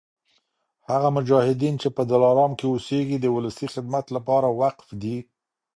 هغه مجاهدین چي په دلارام کي اوسیږي د ولسي خدمت لپاره وقف دي